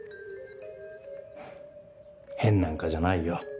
変なんかじゃないよ。